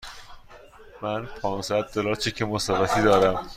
من پانصد دلار چک مسافرتی دارم.